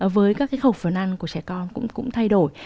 với các khẩu phần ăn của trẻ con cũng thay đổi